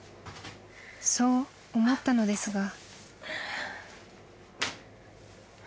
［そう思ったのですが］